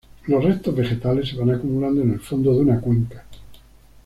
Los restos vegetales se van acumulando en el fondo de una cuenca.